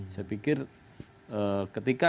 saya pikir ketika